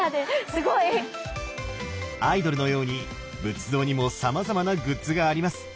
すごい。アイドルのように仏像にもさまざまなグッズがあります。